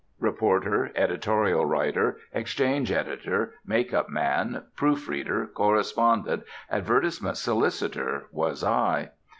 Reporter, editorial writer, exchange editor, make up man, proof reader, correspondent, advertisement solicitor, was I.